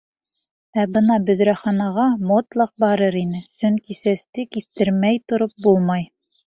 Ә бына бөҙрәханаға мотлаҡ барыр ине, сөнки сәсте киҫтермәй тороп булмай.